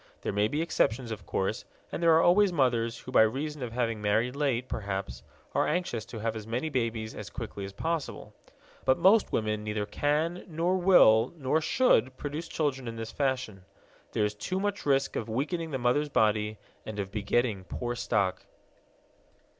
There may be exceptions, of course, and there are always mothers who, by reason of having married late, perhaps, are anxious to have as many babies as quickly as possible. But most women neither can nor will nor should produce children in this fashion. There is too much risk of weakening the mother's body and of begetting poor stock.